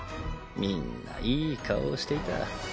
みんないい顔をしていた。